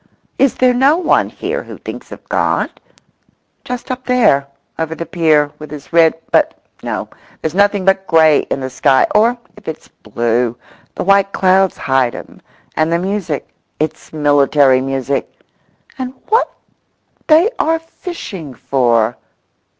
Is there no one here who thinks of God?—just up there, over the pier, with his rod—but no—there's nothing but grey in the sky or if it's blue the white clouds hide him, and the music—it's military music—and what they are fishing for?